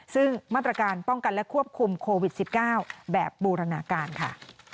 ซึ่งมาตรการป้องกันและควบคุมโควิด๑๙แบบบูรณาการค่ะ